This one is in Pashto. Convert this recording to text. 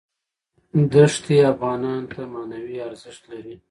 دښتې افغانانو ته معنوي ارزښت لري.